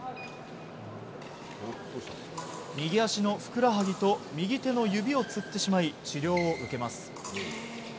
右足のふくらはぎと右手の指をつってしまい治療を受けます。